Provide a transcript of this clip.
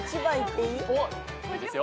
いいですよ。